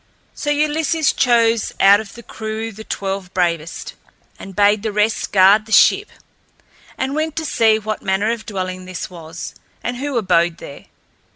So Ulysses chose out of the crew the twelve bravest, and bade the rest guard the ship, and went to see what manner of dwelling this was and who abode there.